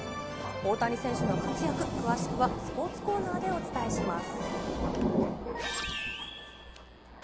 大谷選手の活躍、詳しくはスポーツコーナーでお伝えします。